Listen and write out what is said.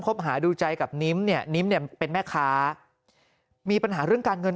หาดูใจกับนิ้มเนี่ยนิ้มเนี่ยเป็นแม่ค้ามีปัญหาเรื่องการเงิน